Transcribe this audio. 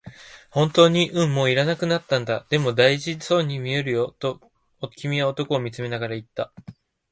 「本当に？」、「うん、もう要らなくなったんだ」、「でも、大事そうに見えるよ」と君は男を見つめながら言った。